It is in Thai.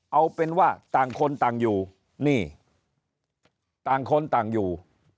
เอาเป็นว่าต่างคนต่างอยู่นี่ต่างคนต่างอยู่